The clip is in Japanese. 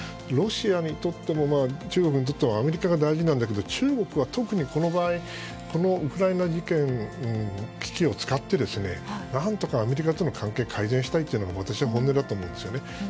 ロシアにとっても中国にとってもアメリカが大事なんだけど中国は特にこの場合このウクライナ危機を使って、何とかアメリカとの関係を改善したいのが私は本音だと思うんです。